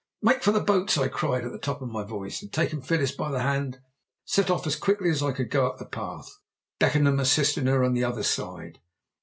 "Make for the boats!" I cried at the top of my voice, and, taking Phyllis by the hand, set off as quickly as I could go up the path, Beckenham assisting her on the other side.